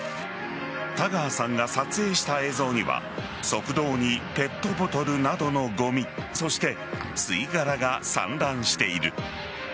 田川さんが撮影した映像には側道にペットボトルなどのごみそして、吸い殻が散乱している。